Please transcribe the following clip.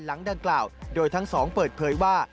หลังดังกล่าวโดยทั้งสองเปิดเผยว่า